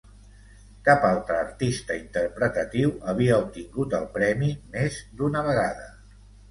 Cap altre artista interpretatiu havia obtingut el premi més d'una vegada.